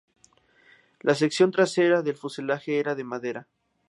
La sección trasera del fuselaje era de madera.